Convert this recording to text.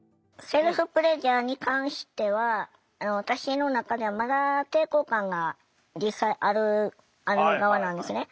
セルフプレジャーに関しては私の中ではまだ抵抗感が実際ある側なんですね。